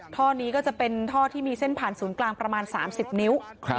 ท่อนี้ก็จะเป็นท่อที่มีเส้นผ่านศูนย์กลางประมาณ๓๐นิ้ว